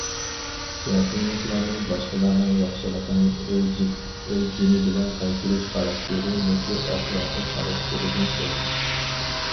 ياپونلۇقلارنىڭ باشقىلارنىڭ ياخشىلىقىنى ئۆز جېنى بىلەن قايتۇرۇش خاراكتېرى مۇشۇ ئەخلاقىي خاراكتېرىدىن كەلگەن.